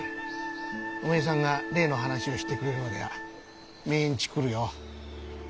おめえさんが例の話をしてくれるまでは毎日来るよ。